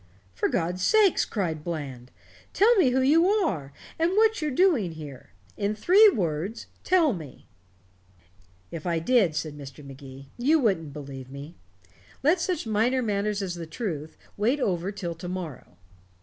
"For God's sake," cried Bland, "tell me who you are and what you're doing here. In three words tell me." "If I did," Mr. Magee replied, "you wouldn't believe me. Let such minor matters as the truth wait over till to morrow."